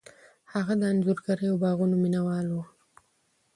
هغه د انځورګرۍ او باغونو مینه وال و.